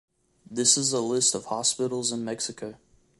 This is a list of hospitals in Mexico.